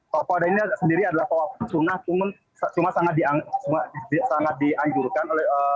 toah pifadah ini sendiri adalah toah pifadah sunnah cuman sangat dianjurkan oleh